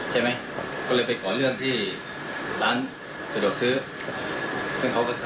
เจ้าผู้บุ้งพักึก